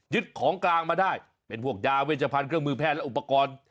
ของกลางมาได้เป็นพวกยาเวชพันธ์เครื่องมือแพทย์และอุปกรณ์